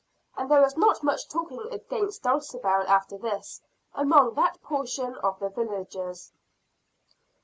And there was not much talking against Dulcibel after this, among that portion of the villagers.